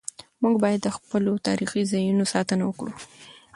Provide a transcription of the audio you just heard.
موږ باید د خپلو تاریخي ځایونو ساتنه وکړو.